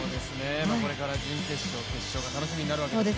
これから準決勝、決勝が楽しみになるわけですけど。